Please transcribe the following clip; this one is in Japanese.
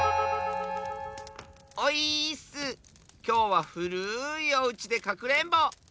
きょうはふるいおうちでかくれんぼ！